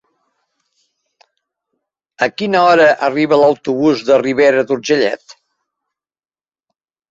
A quina hora arriba l'autobús de Ribera d'Urgellet?